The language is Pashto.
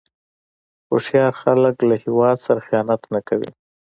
هوښیار خلک له هیواد سره خیانت نه کوي.